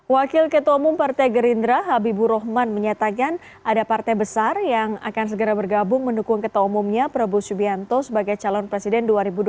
wakil ketua umum partai gerindra habibur rahman menyatakan ada partai besar yang akan segera bergabung mendukung ketua umumnya prabowo subianto sebagai calon presiden dua ribu dua puluh empat